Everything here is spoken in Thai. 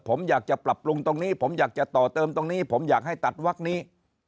ผมอยากจะปรับปรุงตรงนี้ผมอยากจะต่อเติมตรงนี้ผมอยากให้ตัดวักนี้